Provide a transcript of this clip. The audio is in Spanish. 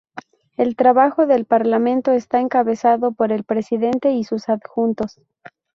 El trabajo del Parlamento está encabezado por el presidente y sus adjuntos.